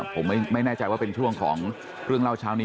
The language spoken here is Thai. ผมไม่แน่ใจว่าเป็นช่วงของเรื่องเล่าเช้านี้